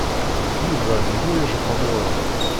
Yuba d bu-ijeqduṛen.